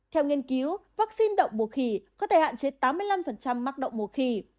theo nghiên cứu vaccine động mùa khỉ có thể hạn chế tám mươi năm mắc động mùa khỉ